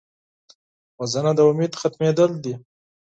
وژنه د امید ختمېدل دي